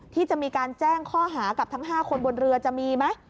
ที่จะมีการแจ้งข้อหากับทั้ง๕คนบนเรือจะมีไหม